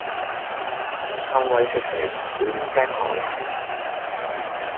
貪威識食，練精學懶